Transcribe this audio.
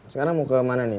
sekarang mau ke mana nih